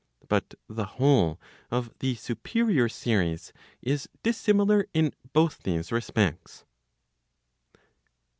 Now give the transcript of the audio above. But the whole of the superior series is dissimilar in both these respects.